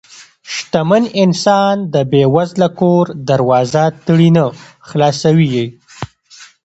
شتمن انسان د بې وزله کور دروازه تړي نه، خلاصوي یې.